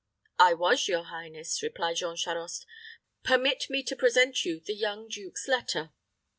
"I was, your highness," replied Jean Charost. "Permit me to present you the young duke's letter."